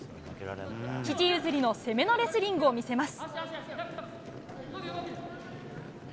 父譲りの攻めのレスリングを見せます。